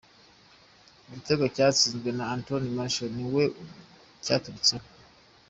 Igitego cyatsinzwe na Anthony Martial niwe cyaturutseho.